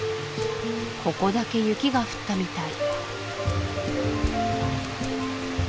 ここだけ雪が降ったみたい